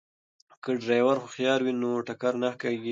که ډریور هوښیار وي نو ټکر نه کیږي.